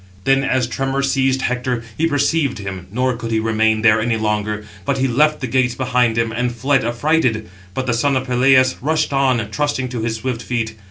Then, as tremor seized Hector, he perceived him, nor could he remain there any longer, but he left the gates behind him, and fled affrighted; but the son of Peleus rushed on, trusting to his swift feet.